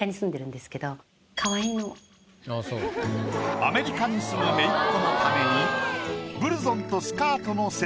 アメリカに住むめいっ子のために。